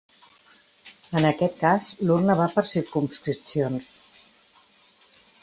En aquest cas l’urna va per circumscripcions.